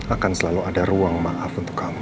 akan selalu ada ruang maaf untuk kamu